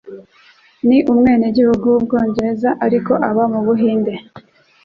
Ni umwenegihugu w’Ubwongereza, ariko aba mu Buhinde.